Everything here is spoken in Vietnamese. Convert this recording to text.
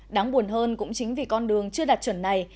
đáng buồn hơn cũng chính vì con đường chưa đạt chuẩn này